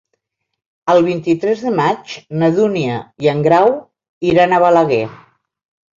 El vint-i-tres de maig na Dúnia i en Grau iran a Balaguer.